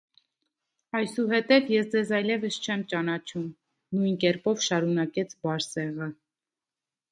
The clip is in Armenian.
- Այսուհետև ես ձեզ այլևս չեմ ճանաչում,- նույն կերպով շարունակեց Բարսեղը: